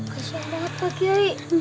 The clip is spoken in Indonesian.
kesian banget pak kiayi